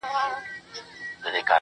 نو پوهیږو چې حمزه په رښتیا هم